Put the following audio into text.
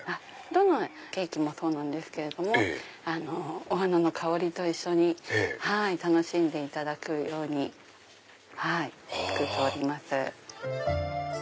どのケーキもそうなんですけどお花の香りと一緒に楽しんでいただくように作っております。